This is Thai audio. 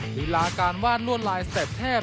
ภีราการว่านล่วนลายสเต็ปแทบ